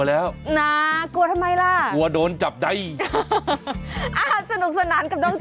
เฮ่ยอย่าหนัก